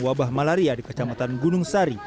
wabah malaria di kecamatan gunung sari